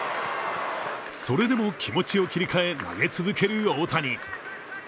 それでも気持ちを切り替え投げ続ける大谷。